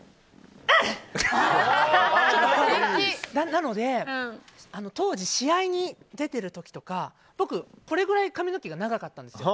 なので当時、試合に出てる時とか僕、これぐらい髪の毛が長かったんですよ。